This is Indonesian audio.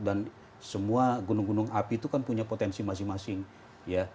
dan semua gunung gunung api itu kan punya potensi masing masing ya